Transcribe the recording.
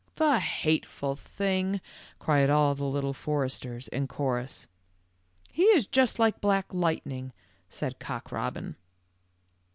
"The hateful thing," cried all the Little Foresters in chorus. w He is just like Black Lightning," said Cock robin.